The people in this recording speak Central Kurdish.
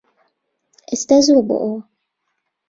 ئێستا زووە بۆ ئەوە